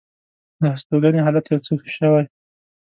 د هستوګنې حالت یو څه ښه شوی.